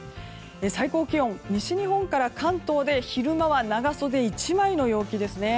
最高気温、西日本から関東で昼間は長袖１枚の陽気ですね。